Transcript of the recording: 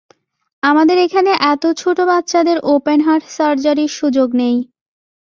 আমাদের এখানে এত ছোট বাচ্চাদের ওপেন হার্ট সাজারির সুযোগ নেই।